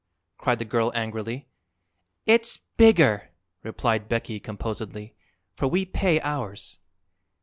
cried the girl angrily. "It's bigger," replied Becky composedly, "for we pay ours."